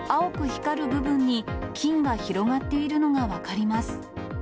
光る部分に菌が広がっているのが分かります。